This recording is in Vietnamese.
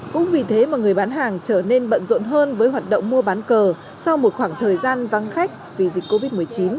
cũng vì thế mà người bán hàng trở nên bận rộn hơn với hoạt động mua bán cờ sau một khoảng thời gian vắng khách vì dịch covid một mươi chín